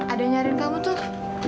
ada yang nyariin kamu tuh